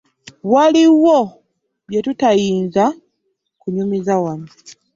Waliwo bye tutayinza kunyumiza wano.